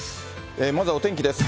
まずはお天気です。